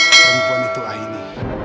perempuan itu aini